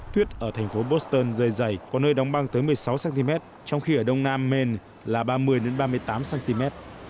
tuyết ở thành phố boston rơi dày có nơi đóng băng tới một mươi sáu cm trong khi ở đông nam men là ba mươi ba mươi tám cm